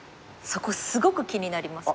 そこすごく気になります。